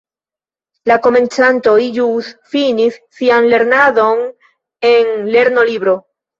La komencantoj, ĵus finis sian lernadon en lernolibro.